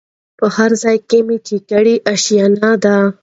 په هرځای کي چي مي کړې آشیانه ده